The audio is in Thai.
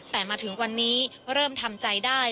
แต่มาถึงวันนี้เริ่มทำใจได้